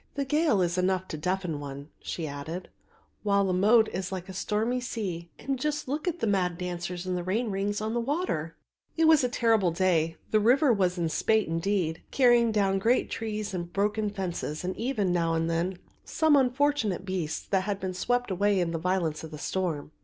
The gale is enough to deafen one," she added, "while the moat is like a stormy sea, and just look at the mad dancers in the rain rings on the water!" The predecessor of the withdrawing room or drawing room. It was a terrible day, the river was in spate indeed, carrying down great trees and broken fences and even, now and then, some unfortunate beast that had been swept away in the violence of the storm.